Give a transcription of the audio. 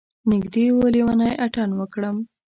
نږدې و لیونی اتڼ وکړم.